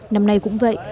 năm nay cũng vậy